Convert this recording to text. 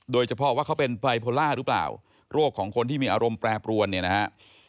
โดยเฉพาะว่าเขาเป็นไบโพล่าหรือเปล่าโรคของคนที่มีอารมณ์แปรปรวนเนี่ยนะฮะ